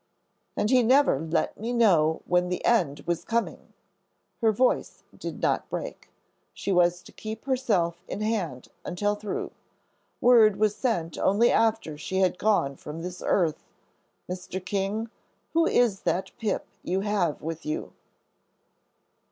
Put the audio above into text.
"And he never let me know when the end was coming;" her voice did not break she was to keep herself in hand until through. "Word was sent only after she had gone from this earth. Mr. King, who is that Pip you have with you?"